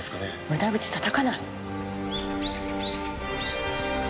無駄口たたかない。